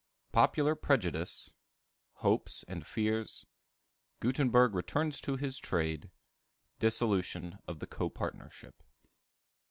Popular Prejudice. Hopes and Fears. Gutenberg returns to his Trade. Dissolution of the Copartnership.